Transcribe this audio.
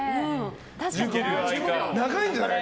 長いんじゃない？